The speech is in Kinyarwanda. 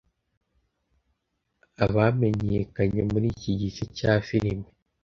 abamenyekanye muri ki gice cya film